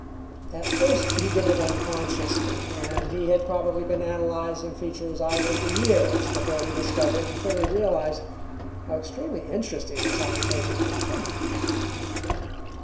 At first he did it unconsciously, and he had probably been analyzing features idly for years before he discovered and fully realized how extremely interesting this occupation was becoming.